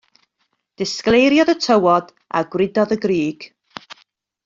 Disgleiriodd y tywod, a gwridodd y grug.